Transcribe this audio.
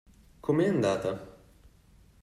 Come è andata?